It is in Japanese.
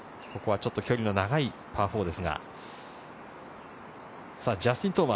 ちょっと距離の長いパー４です。